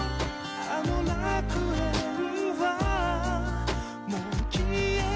「あの楽園はもう消えたけど」